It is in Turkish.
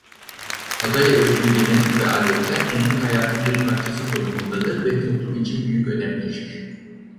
Adaya özgü gelenek ve adetler günlük hayatın bir parçası konumundadır ve toplum için büyük önem taşır.